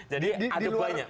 jadi ada banyak